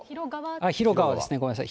ひろがわですね、ごめんなさい。